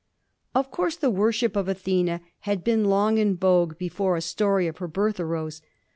Of course the worship of Athena had been long in vogue before a story of her birth arose.